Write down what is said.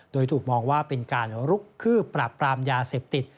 โดยถูกมองว่าเป็นการลุกคืบปราบปรามยาเสพติด